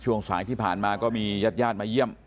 ช่วงสายที่ผ่านมาก็มีญาติญาติมาเยี่ยม